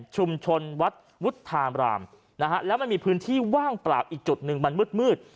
ชุมชนวัดวุฒามรามนะฮะแล้วมันมีพื้นที่ว่างเปล่าอีกจุดหนึ่งมันมืด